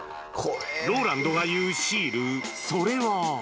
ＲＯＬＡＮＤが言うシール、それは。